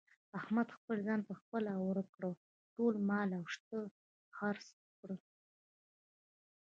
احمد خپل ځان په خپله ورک کړ. ټول مال او شته یې خرڅ کړل.